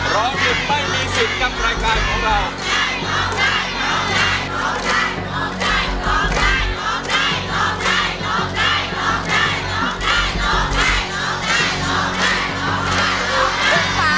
ร้องผิดไม่มีสิทธิ์กับรายการของเรา